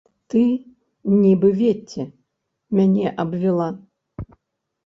Ты, нібы вецце, мяне абвівала.